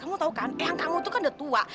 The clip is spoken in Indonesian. kamu tahu kan yang kamu itu kan udah tua